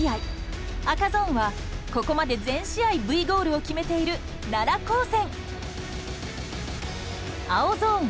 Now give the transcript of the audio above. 赤ゾーンはここまで全試合Ｖゴールを決めている奈良高専。